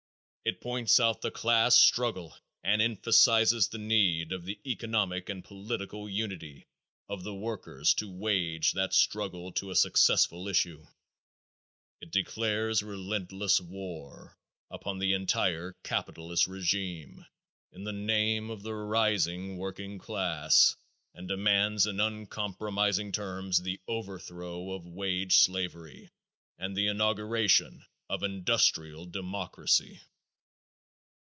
It points out the class struggle and emphasizes the need of the economic and political unity of the workers to wage that struggle to a successful issue. It declares relentless war upon the entire capitalist regime in the name of the rising working class and demands in uncompromising terms the overthrow of wage slavery and the inauguration of industrial democracy.